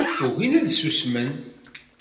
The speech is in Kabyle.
Ugin ad susmen